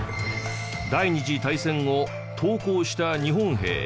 第二次大戦後投降した日本兵。